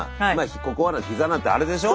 ここはひざなんてあれでしょ？